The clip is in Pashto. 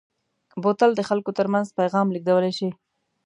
بوتل د خلکو ترمنځ پیغام لېږدولی شي.